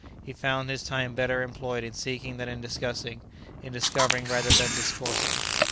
He found his time better employed in seeking than in discussing, in discovering rather than discoursing.